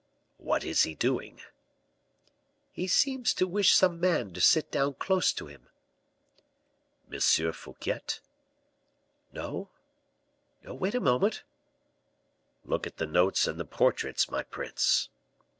"What is he doing?" "He seems to wish some man to sit down close to him." "M. Fouquet?" "No, no; wait a moment " "Look at the notes and the portraits, my prince."